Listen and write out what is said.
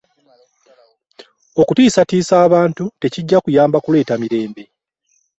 Okutiisatiisa abantu tekijja kuyamba kuleeta mirembe.